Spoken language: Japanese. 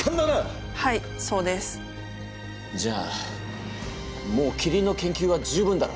はいそうです。じゃあもうキリンの研究は十分だろ。